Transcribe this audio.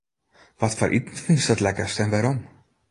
Watfoar iten fynst it lekkerst en wêrom?